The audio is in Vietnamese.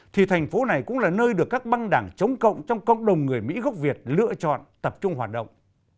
thì thành phố này cũng là nơi được các băng đảng chống cộng trong cộng đồng người mỹ gốc việt lựa chọn tập trung hoạt động